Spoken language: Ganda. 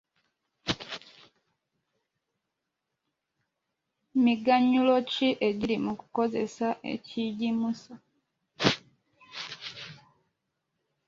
Miganyulo ki egiri mu kukozesa ekigimusa?